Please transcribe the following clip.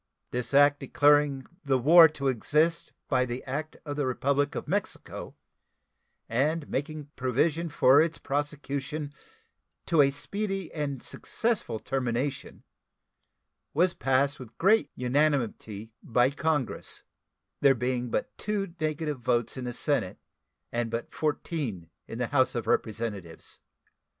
This act declaring "the war to exist by the act of the Republic of Mexico," and making provision for its prosecution "to a speedy and successful termination," was passed with great unanimity by Congress, there being but two negative votes in the Senate and but fourteen in the House of Representatives.